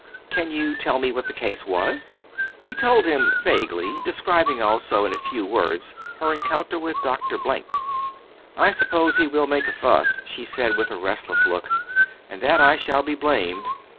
"Can you tell me what the case was?" She told him vaguely, describing also in a few words her encounter with Dr. Blank. "I suppose he will make a fuss," she said, with a restless look, "and that I shall be blamed."